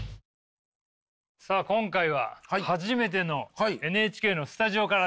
さあ今回は初めてのＮＨＫのスタジオからです。